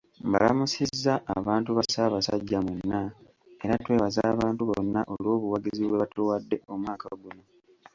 Mbalamusizza abantu ba Ssaabasajja mwenna era twebaza abantu bonna olwobuwagizi bwe batuwadde omwaka guno.